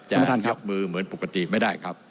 อยากยกมือเหมือนปกติไม่ได้ครับ